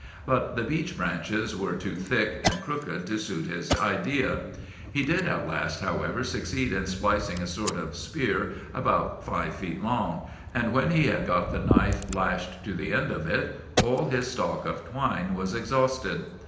But the beech branches were too thick and crooked to suit his idea. He did at last, however, succeed in splicing a sort of spear about five feet long; and when he had got the knife lashed to the end of it all his stock of twine was exhausted.